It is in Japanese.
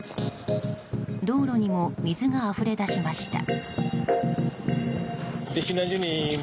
道路にも水があふれ出しました。